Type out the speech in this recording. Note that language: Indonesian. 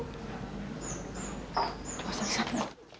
tidak usah riset